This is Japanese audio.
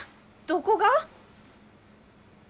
どこが！？